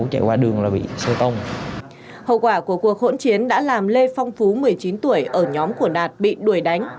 hậu quả của cuộc hỗn chiến đã làm lê phong phú một mươi chín tuổi ở nhóm của đạt bị đuổi đánh